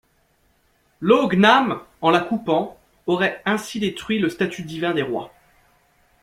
Lo-ngam, en la coupant, aurait ainsi détruit le statut divin des rois.